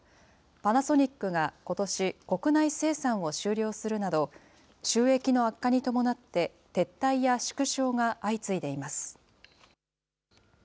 パナソニックがことし、国内生産を終了するなど、収益の悪化に伴って、撤退や縮小が相次いでいます。